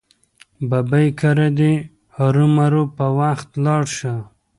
ببۍ کره دې هرو مرو په وخت لاړه شه.